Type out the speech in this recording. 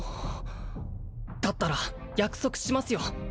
だったら約束しますよ